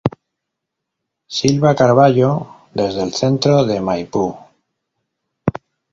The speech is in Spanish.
Silva Carvallo desde el centro de Maipú.